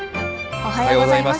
おはようございます。